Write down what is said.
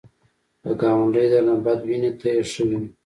که ګاونډی درنه بد ویني، ته یې ښه وینه